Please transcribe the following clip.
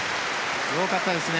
よかったですね。